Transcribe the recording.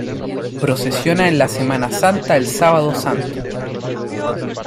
Procesiona en la Semana Santa el Sábado Santo.